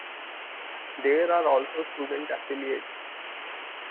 There are also student affiliates.